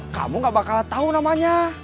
kamu gak bakal tau namanya